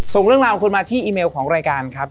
ส่งเรื่องราวของคุณมาที่อีเมลของรายการครับ